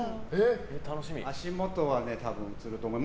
足元が映ると思います。